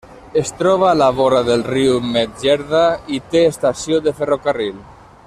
Es troba a la vora del riu Medjerda i té estació de ferrocarril.